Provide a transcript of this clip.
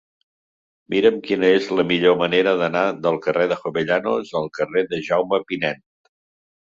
Mira'm quina és la millor manera d'anar del carrer de Jovellanos al carrer de Jaume Pinent.